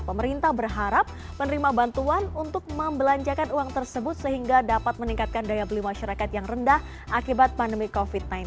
pemerintah berharap menerima bantuan untuk membelanjakan uang tersebut sehingga dapat meningkatkan daya beli masyarakat yang rendah akibat pandemi covid sembilan belas